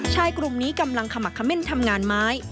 ชายกลุ่มนี้กำลังขมักเม่นทำงานไม้